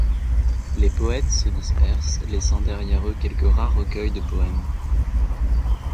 Les poètes se dispersent laissant derrière eux quelques rares recueils de poèmes.